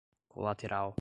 colateral